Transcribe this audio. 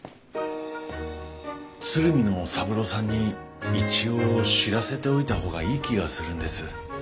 鶴見の三郎さんに一応知らせておいた方がいい気がするんです。